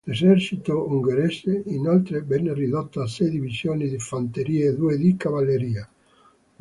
L'esercito ungherese inoltre venne ridotto a sei divisioni di fanteria e due di cavalleria.